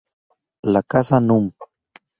La casa núm.